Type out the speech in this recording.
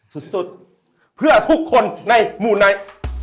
สุดเพื่อทุกคนในหมู่นั้น